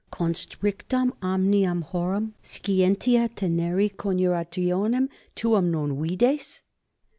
constrictam omnium horum scientia teneri coniurationem tuam non vides?